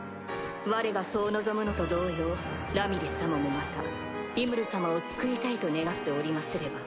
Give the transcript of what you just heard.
われがそう望むのと同様ラミリス様もまたリムル様を救いたいと願っておりますれば。